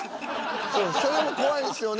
［そうそれも怖いんすよね。